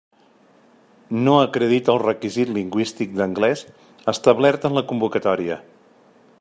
No acredita el requisit lingüístic d'anglès establert en la convocatòria.